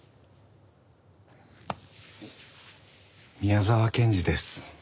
宮沢賢治です